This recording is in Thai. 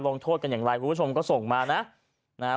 ลงโทษกันอย่างไรคุณผู้ชมก็ส่งมานะนะฮะ